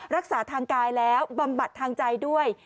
รักษาทางกายแล้วบำบัดทางใจด้วย